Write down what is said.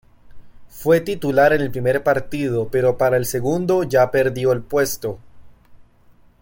Fue titular en el primer partido pero para el segundo ya perdió el puesto.